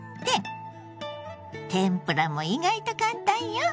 天ぷらも意外と簡単よ。